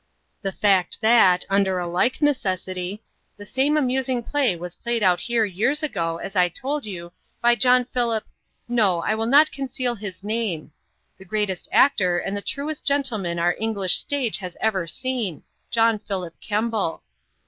"The fact that, under a like necessity, the same amusing play was played out here years ago, as I told you, by John Philip no, I will not conceal his name, the greatest actor and the truest gentleman our English stage has ever seen John Philip Kemble."